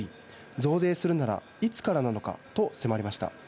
増税するならいつからなのかと迫りました。